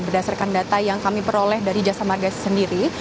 berdasarkan data yang kami peroleh dari jasa marga sendiri